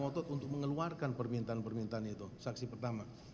tidak ada yang takut untuk mengeluarkan permintaan permintaan itu saksi pertama